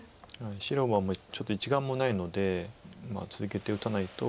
白はもうちょっと１眼もないので続けて打たないと。